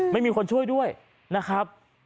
ไม่มีคนช่วยด้วยนะครับ